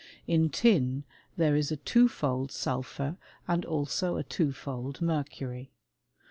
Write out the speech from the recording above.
In tin there is a twofold sulphur and also a twofold mercury.